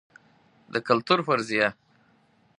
د کلتور فرضیه